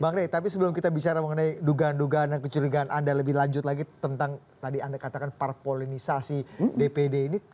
bang rey tapi sebelum kita bicara mengenai dugaan dugaan dan kecurigaan anda lebih lanjut lagi tentang tadi anda katakan parpolinisasi dpd ini